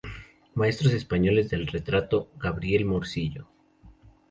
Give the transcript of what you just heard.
Maestros españoles del retrato: Gabriel Morcillo.